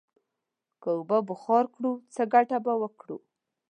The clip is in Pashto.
که اوبه بخار کړو، څه گټه به وکړو؟